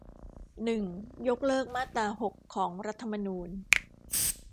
หนึ่ง ยกเลิกมาตราหก ของรัฐธรรมนูญ